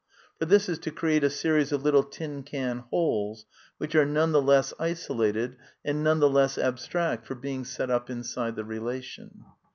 For this is to create a series of little tin can wholes, which are none the less isolated, and none the less abstract for being set up in side the relation.